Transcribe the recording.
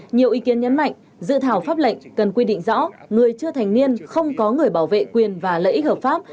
nhiều ý kiến nhấn mạnh dự thảo pháp lệnh cần quy định rõ người chưa thành niên không có người bảo vệ quyền và lợi ích hợp pháp